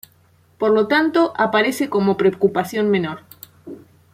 Por lo tanto, aparece como preocupación menor.